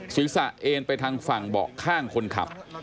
ศีรษะเอ็นไปทางฝั่งเบาะข้างคนขับ